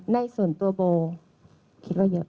ในส่วนตัวโบคิดว่าเยอะ